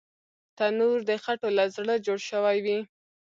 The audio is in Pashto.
تنور د خټو له زړه جوړ شوی وي